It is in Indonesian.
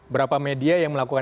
berapa media yang melakukan